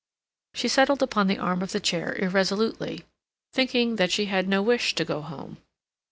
She settled upon the arm of the chair irresolutely, thinking that she had no wish to go home.